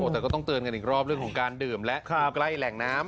แต่ก็ต้องเตือนกันอีกรอบเรื่องของการดื่มและอยู่ใกล้แหล่งน้ำ